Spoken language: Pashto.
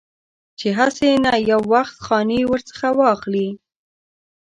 چې هسې نه یو وخت خاني ورڅخه واخلي.